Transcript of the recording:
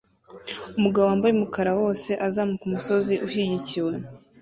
Umugabo wambaye umukara wose azamuka umusozi ushyigikiwe